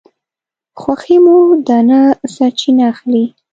خوښي مو ده نه سرچینه اخلي